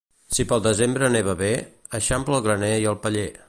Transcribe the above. Si pel desembre neva bé, eixampla el graner i el paller.